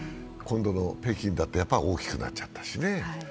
今度の北京だって、やっぱり大きくなっちゃったしね。